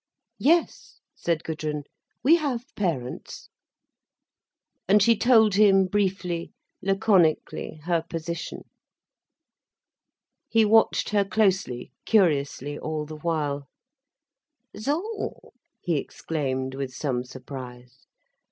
"Yes," said Gudrun, "we have parents." And she told him, briefly, laconically, her position. He watched her closely, curiously all the while. "So!" he exclaimed, with some surprise.